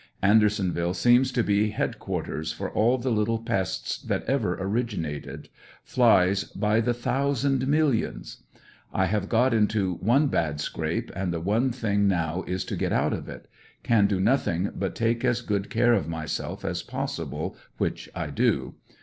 Andersonville seems to be head quarters for all the little pests that ever originated — flies by the thousand millions. I have got into one bad scrape, and the one ANDER80NVILLE D2AEY, 67 thing now is to get out of it. Can do nothing but take as go^d care of myself as possible, which I do.